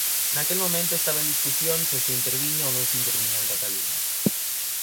Naquel momento estaba en discusión se se interviña ou non se interviña Cataluña.